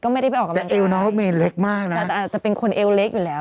ก็ไม่ได้ไปออกกำลังเอวน้องรถเมนเล็กมากนะแต่อาจจะเป็นคนเอวเล็กอยู่แล้ว